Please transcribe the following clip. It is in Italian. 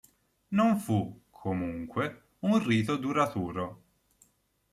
Non fu, comunque, un rito duraturo.